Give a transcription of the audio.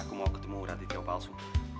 aku mau ketemu rati tio palsu